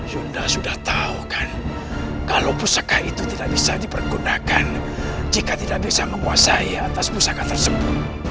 sunda sudah tahu kan kalau pusaka itu tidak bisa dipergunakan jika tidak bisa menguasai atas pusaka tersebut